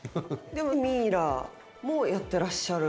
でもミイラもやってらっしゃる。